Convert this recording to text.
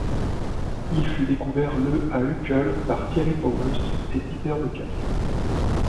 Il fut découvert le à Uccle par Thierry Pauwels et Peter De Cat.